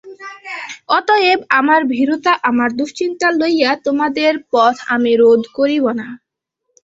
অতএব আমার ভীরুতা আমার দুশ্চিন্তা লইয়া তোমাদের পথ আমি রোধ করিব না।